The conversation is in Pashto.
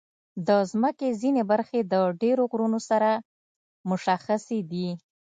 د مځکې ځینې برخې د ډېرو غرونو سره مشخصې دي.